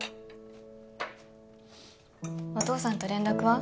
お父さんと連絡は？